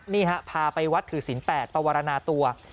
นี่ฮะพาไปวัดถือศิลปวรรณาตัว